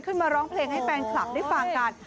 มาร้องเพลงให้แฟนคลับได้ฟังกัน